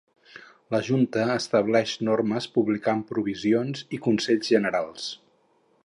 La Junta estableix normes publicant provisions i consells generals.